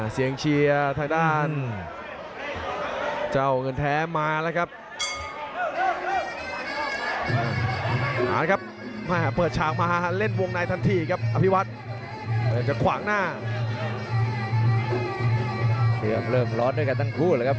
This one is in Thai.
เสียงเชียร์ทางด้านหลังครับ